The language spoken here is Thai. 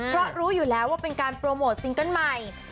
เพราะรู้อยู่แล้วว่าเป็นการโปรโมทซิงเกิ้ลใหม่